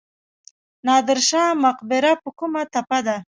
نادر شاه مقبره په کومه تپه ده؟